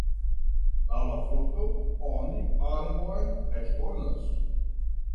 Laŭ la frukto oni arbon ekkonas.